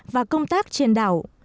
và công tác trên đảo